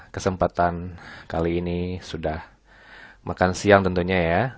kesempatan kali ini sudah makan siang tentunya ya